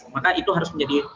maka itu harus menjadi